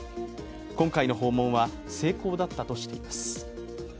今回の訪問は成功だったとしています。